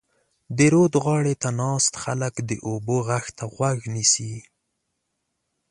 د رود غاړې ته ناست خلک د اوبو غږ ته غوږ نیسي.